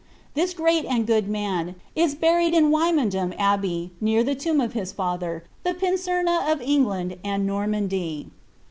* This great and good man is buried in Wymondham Abb(>y, near Af tomb of his father, the Pincema of Engiand and Normandy.